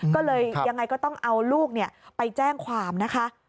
ก็เลยยังไงก็ต้องเอาลูกไปแจ้งความนะคะ